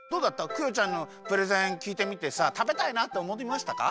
クヨちゃんのプレゼンきいてみてさたべたいなっておもいましたか？